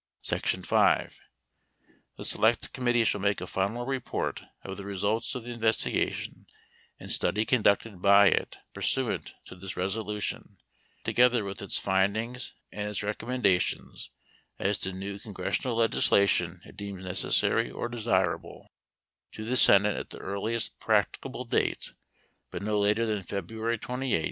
8 Sec. 5. The select committee shall make a final report of 9 the results of the investigation and study conducted by it 10 pursuant to this resolution, together with its findings and 11 its recommendations as to new congressional legislation it 12 deems necessary or desirable, to the Senate at the earliest 13 practicable date, but no later than February 28, 1974.